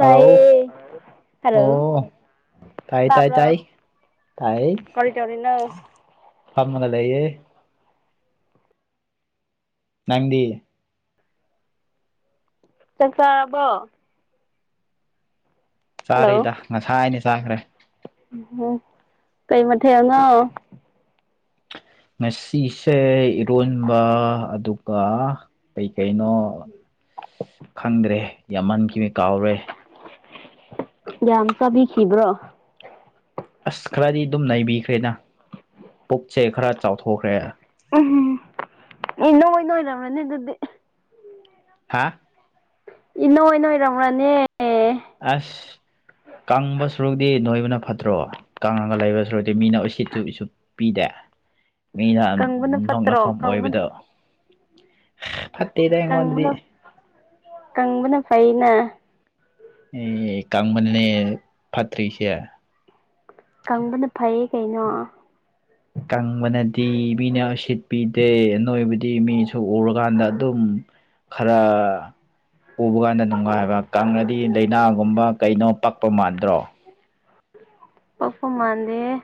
hello hello ꯑꯣ ꯇꯥꯏ ꯇꯥꯏ ꯇꯥꯕ꯭ꯔꯣ ꯇꯥꯏ ꯇꯥꯏ ꯀꯔꯤ ꯇꯧꯔꯤꯅꯣ ꯐꯝꯃꯒ ꯂꯩꯌꯦ ꯅꯪꯗꯤ ꯆꯥꯛꯆꯔꯕꯣ ꯍꯜꯂꯣ ꯆꯥꯔꯦꯗ ꯉꯁꯥꯏꯅ ꯆꯥꯈ꯭ꯔꯦ ꯎꯝ ꯀꯩ ꯃꯊꯦꯜ ꯅꯣ ꯉꯁꯤꯁꯦ ꯏꯔꯣꯟꯕ ꯑꯗꯨꯒ ꯀꯩ ꯀꯩꯅꯣ ꯈꯪꯗ꯭ꯔꯦ ꯌꯥꯝꯃꯟꯈꯔꯦ ꯀꯥꯎꯔꯦ ꯌꯥꯝ ꯆꯥꯕꯤꯈꯤꯕ꯭ꯔꯣ ꯑꯁ ꯈꯔꯗꯤ ꯑꯗꯨꯝ ꯅꯩꯕꯤꯈ꯭ꯔꯦꯅ ꯄꯨꯛꯁꯦ ꯈꯔ ꯆꯥꯎꯊꯣꯛꯈ꯭ꯔꯦ ꯎꯝ ꯏꯅꯣꯏ ꯅꯣꯏꯔꯝꯃꯅꯤ ꯑꯗꯨꯗꯤ ꯍꯥ ꯏꯅꯣꯏ ꯅꯣꯏꯔꯝꯃꯤ ꯑꯁ ꯀꯪꯕ ꯁꯨꯔꯨꯛꯇꯤ ꯅꯣꯏꯕꯅ ꯐꯠꯇ꯭ꯔꯣ ꯀꯪꯉꯒ ꯂꯩꯕ ꯁꯔꯨꯗꯤ ꯃꯤꯅ ꯎ ꯁꯤꯠꯇꯨ ꯎꯁꯨ ꯄꯤꯗꯦ ꯃꯤꯅ ꯀꯪꯕꯅ ꯐꯠꯇ꯭ꯔꯣ ꯅꯣꯛꯅꯐꯝ ꯀꯪꯕꯅ ꯑꯣꯏꯕꯗꯣ ꯐꯠꯇꯦꯗ ꯑꯩꯉꯣꯟꯗꯗꯤ ꯀꯪꯕꯅ ꯀꯪꯕꯅ ꯐꯩꯅ ꯑꯦ ꯀꯪꯕꯗꯨꯅꯦ ꯐꯠꯇ꯭ꯔꯤꯁꯦ ꯀꯪꯕꯅ ꯐꯩꯌꯦ ꯀꯩꯅꯣ ꯀꯪꯕꯅꯗꯤ ꯃꯤꯅ ꯎꯁꯤꯠ ꯄꯤꯗꯦ ꯅꯣꯏꯕꯗꯤ ꯃꯤꯅꯁꯨ ꯎꯔꯀꯥꯟꯗ ꯑꯗꯨꯝ ꯈꯔ ꯎꯕ ꯀꯥꯟꯗ ꯅꯨꯡꯉꯥꯏꯕ ꯀꯪꯉꯗꯤ ꯂꯩꯅꯥꯒꯨꯝꯕ ꯀꯩꯅꯣ ꯄꯛꯄ ꯃꯥꯟꯗ꯭ꯔꯣ ꯑꯈꫭꯏ ꯃꯥꯟꯅ°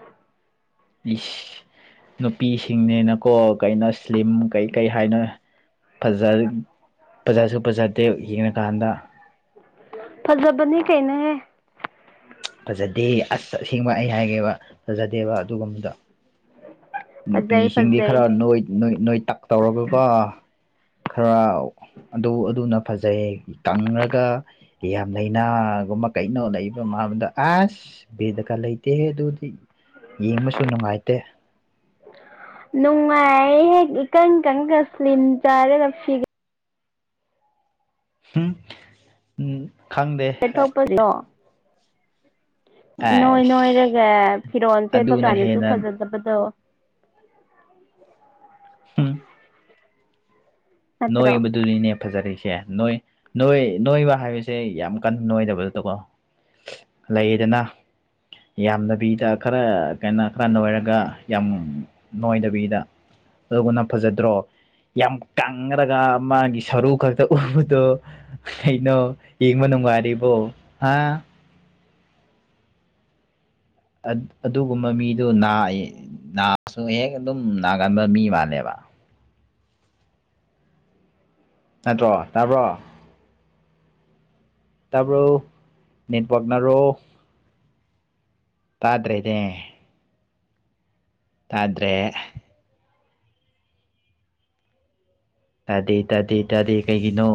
ꯏꯁ ꯅꯨꯄꯤꯁꯤꯡꯅꯦꯅꯀꯣ ꯀꯩꯅꯣ ꯁꯂꯤꯝ ꯀꯩ ꯀꯩ ꯍꯥꯏꯅꯣ ꯐꯖꯥ ꯐꯖꯥꯁꯨ ꯐꯖꯥꯗꯦ ꯌꯦꯡꯉꯀꯥꯟꯗ ꯐꯖꯕꯅꯦ ꯀꯩꯅꯣ ꯍꯦ ꯐꯖꯗꯦ ꯑꯁ ꯑꯁꯦꯡꯕ ꯑꯩ ꯍꯥꯏꯒꯦꯕ ꯐꯖꯗꯦꯕ ꯑꯗꯨꯒꯨꯝꯕꯗꯣ ꯐꯖꯩ ꯅꯨꯄꯤꯁꯤꯡꯗꯤ ꯐꯖꯩ ꯈꯔ ꯅꯣꯏ ꯅꯣꯏ ꯇꯛ ꯇꯧꯔꯒꯀꯣ ꯈꯔ ꯑꯗꯨ ꯑꯗꯨꯅ ꯐꯖꯩ ꯀꯪꯉꯒ ꯌꯥꯝ ꯂꯥꯏꯅꯥꯒꯨꯝꯕ ꯀꯩꯅꯣ ꯂꯩꯕ ꯃꯥꯥꯟꯕꯗ ꯑꯁ ꯕꯦꯗꯀꯥ ꯂꯩꯇꯦ ꯍ° ꯑꯗꯨꯗꯤ ꯌꯦꯡꯕꯁꯨ ꯅꯨꯡꯉꯥꯏꯇꯦ ꯅꯨꯡꯉꯥꯏ ꯍꯦ ꯏꯀꯪ ꯀꯪ ꯀꯔꯤꯟ ꯆꯒꯥ ꯐꯤꯒ ꯑꯨꯝ [inaudible] ꯑꯁ ꯏꯅꯣꯏ ꯅꯣꯏꯔꯒ ꯐꯤꯔꯣꯜ ꯁꯦꯠꯄ ꯑꯗꯨꯅ ꯀꯥꯟꯗꯁꯨ ꯍꯦꯟꯅ ꯐꯖꯗꯕꯗꯣ [inaudible] ꯎꯝ ꯅꯠꯇ꯭ꯔꯣ ꯅꯣꯏꯕꯗꯨ ꯂꯩꯅꯤꯅ° ꯐꯖꯔꯁꯦ ꯅꯣꯏ ꯅꯣꯏ ꯅꯣꯏꯕ ꯍꯥꯏꯕꯁꯦ ꯌꯥꯝ ꯀꯟꯅ ꯅꯣꯏꯗꯕ ꯅꯠꯇꯀꯣ ꯂꯩꯌꯦꯗꯅ ꯌꯥꯝꯗꯕꯤꯗ ꯈꯔ ꯀꯩꯅꯣ ꯈꯔ ꯅꯣꯏꯔꯒ ꯌꯥꯝ ꯅꯣꯏꯗꯕꯤꯗ ꯑꯗꯨꯒꯅ ꯐꯖꯗ꯭ꯔꯣ ꯌꯥꯝ ꯀꯪꯔꯒ ꯃꯥꯒꯤ ꯁꯔꯨ ꯈꯛꯇ ꯎꯕꯗꯣ ꯏꯩꯅꯣ ꯌ°ꯡꯕꯥ ꯅꯨꯡꯉꯥꯔꯤꯕꫭ ꯍꯥ ꯑꯗꯨꯒꯨꯝꯕ ꯃꯤꯗꯨꯅꯥ ꯅꯥꯏ ꯅꯥꯁꯨ ꯍꯦꯛ ꯑꯗꯨꯝ ꯅꯥꯒꯟꯕ ꯃꯤ ꯃꯥꯜꯅꯦꯕ ꯅꯠꯇ꯭ꯔꯣ ꯇꯥꯕ꯭ꯔꯣ ꯇꯥꯔꯕ ꯅꯦꯠ ꯋꯥꯀꯅꯔꯣ ꯇꯥꯗ꯭ꯔꯦꯅ° ꯇꯥꯗ꯭ꯔꯦ ꯇꯥꯗꯦ ꯇꯥꯗꯦ ꯇꯥꯗꯦ ꯀꯩꯒꯤꯅꯣ